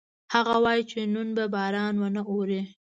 هغه وایي چې نن به باران ونه اوري